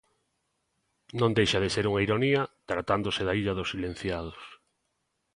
Non deixa de ser unha ironía, tratándose da illa dos Silenciados.